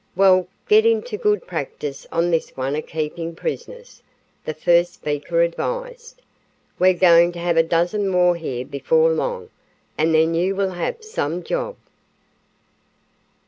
"Well, get into good practice on this one a keepin' prisoners," the first speaker advised. "We're goin' to have a dozen more here before long, and then you will have some job."